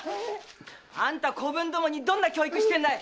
あんた子分どもにどんな教育してるんだい！